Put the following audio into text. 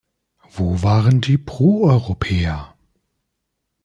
Wo waren die Pro-Europäer?